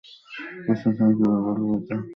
প্রশাসনকে কীভাবে বলবে এটা?